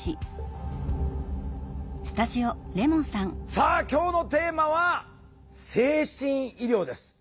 さあ今日のテーマは「精神医療」です。